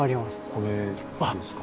これですか？